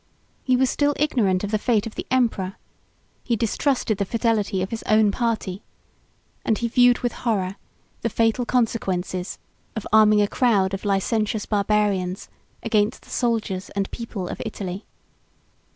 He was still ignorant of the fate of the emperor; he distrusted the fidelity of his own party; and he viewed with horror the fatal consequences of arming a crowd of licentious Barbarians against the soldiers and people of Italy.